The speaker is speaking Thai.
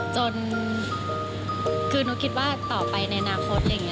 จนคือนุ๊กคิดว่าต่อไปในอนาคตอะไรอย่างนี้